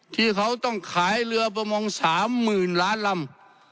ที่เขาต้องขายเรือประมง๓๐๐๐ล้านลำ